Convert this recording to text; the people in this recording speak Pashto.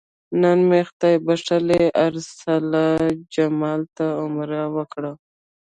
نن مې خدای بښلي ارسلا جمال ته عمره وکړه.